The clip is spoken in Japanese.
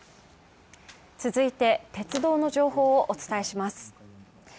続いて、鉄道の情報をお伝えします。